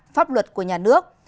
pháp luật của nhà nước